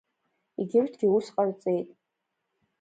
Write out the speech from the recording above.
Егьырҭгьы ус ҟарҵеит.